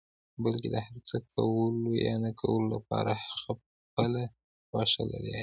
بلکې د هر څه کولو يا نه کولو لپاره خپله خوښه لري.